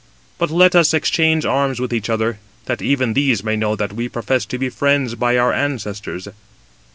But let us exchange arms with each other, that even these may know that we profess to be friends by our ancestors."